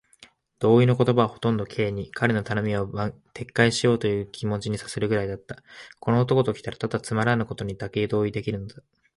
同意の言葉はほとんど Ｋ に、彼の頼みを撤回しようというという気持にさせるくらいだった。この男ときたら、ただつまらぬことにだけ同意できるのだ。